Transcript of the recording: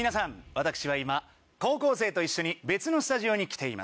私は今高校生と一緒に別のスタジオに来ています。